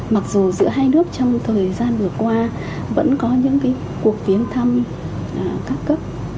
mặc dù giữa hai nước trong thời gian vừa qua vẫn có những cái cuộc phiến thăm các cấp